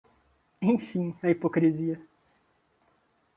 Enfim, a hipocrisia